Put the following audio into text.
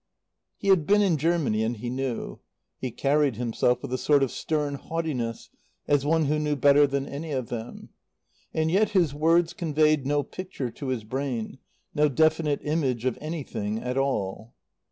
He had been in Germany and he knew. He carried himself with a sort of stern haughtiness, as one who knew better than any of them. And yet his words conveyed no picture to his brain, no definite image of anything at all.